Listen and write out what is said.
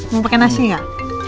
mau pake nasi gak